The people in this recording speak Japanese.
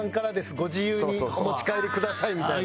「ご自由にお持ち帰りください」みたいな。